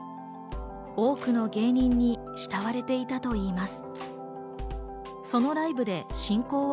多くの芸人に慕われていたといいます。